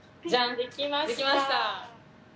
できました！